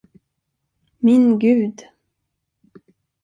Min Gud!